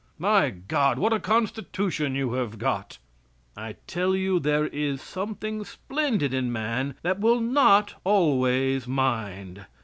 "My God! what a constitution you have got." I tell you there is something splendid in man that will not always mind.